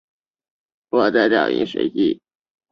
我在找饮水机